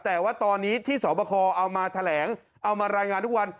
แต่ว่าตอนนี้ที่สอบคอเอามาแถลงเอามารายงานทุกวัน